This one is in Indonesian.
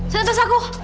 sini tas aku